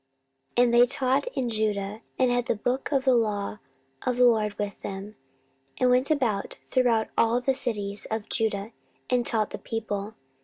14:017:009 And they taught in Judah, and had the book of the law of the LORD with them, and went about throughout all the cities of Judah, and taught the people.